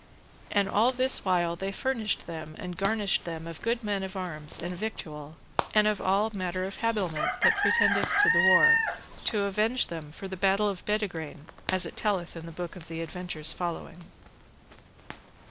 And all this while they furnished them and garnished them of good men of arms, and victual, and of all manner of habiliment that pretendeth to the war, to avenge them for the battle of Bedegraine, as it telleth in the book of adventures following.